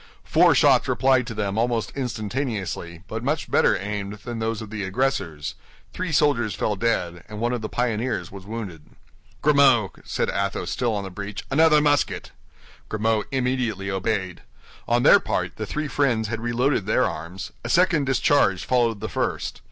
Four shots replied to them almost instantaneously, but much better aimed than those of the aggressors; three soldiers fell dead, and one of the pioneers was wounded. "Grimaud," said Athos, still on the breach, "another musket!" Grimaud immediately obeyed. On their part, the three friends had reloaded their arms; a second discharge followed the first.